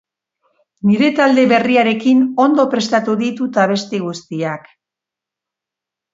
Nire talde berriarekin ondo prestatu ditut abesti guztiak.